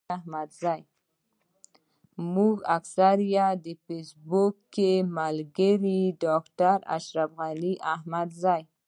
زموږ اکثره فېسبوکي ملګري ډاکټر اشرف غني احمدزی.